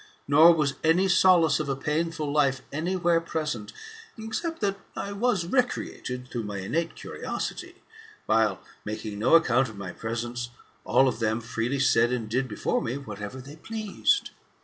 Nor was any solace of a painful life any where present, except that I was recreated, through my innate curiosity, while, making no account of my presence, all of them freely said and did before me whatever they pleased.